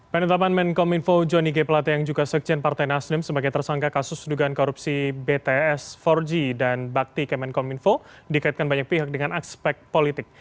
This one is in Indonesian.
penetapan menkom info johnny g pelate yang juga sekjen partai nasdem sebagai tersangka kasus dugaan korupsi bts empat g dan bakti kemenkominfo dikaitkan banyak pihak dengan aspek politik